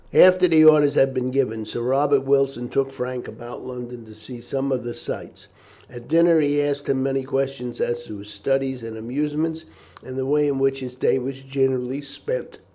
After the orders had been given, Sir Robert Wilson took Frank about London to see some of the sights. At dinner he asked him many questions as to his studies and amusements, and the way in which his day was generally spent.